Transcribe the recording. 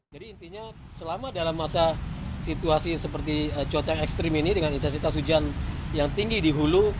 jadi intinya selama dalam masa situasi seperti cuaca ekstrim ini dengan intensitas hujan yang tinggi di hulu